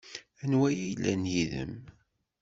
Anwa ay yellan yid-m?